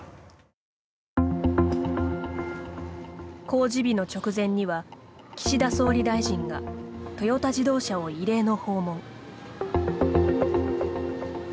公示日の直前には岸田総理大臣がトヨタ自動車を異例の訪問。